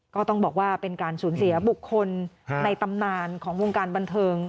ก็ต้องบอกว่าเป็นการสูญเสียบุคคลในตำนานของวงการบันเทิง